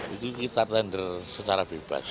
itu kita tender secara bebas